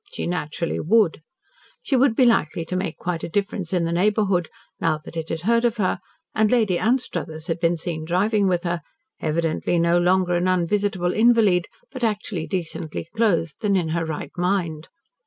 She naturally would. She would be likely to make quite a difference in the neighbourhood now that it had heard of her and Lady Anstruthers had been seen driving with her, evidently no longer an unvisitable invalid, but actually decently clothed and in her right mind.